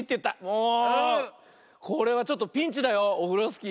もうこれはちょっとピンチだよオフロスキー。